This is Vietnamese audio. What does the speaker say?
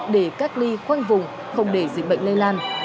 để cách ly khoanh vùng không để dịch bệnh lây lan